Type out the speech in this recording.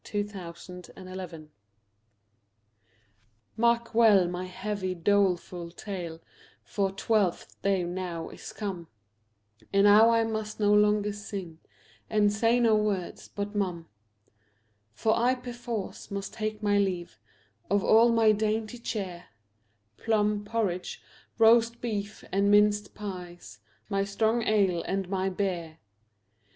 AT THE END OF THE FEAST. Mark well my heavy, doleful tale, For Twelfth day now is come, And now I must no longer sing, And say no words but mum; For I perforce must take my leave Of all my dainty cheer, Plum porridge, roast beef, and minced pies, My strong ale and my beer.